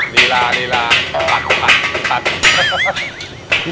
นีรานีราผัดผัดผัด